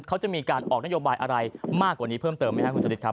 เขาจะมีการออกนโยบายอะไรมากกว่านี้เพิ่มเติมไหมครับคุณชนิดครับ